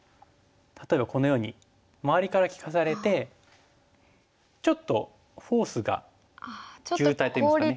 例えばこのように周りから利かされてちょっとフォースが渋滞っていいますか。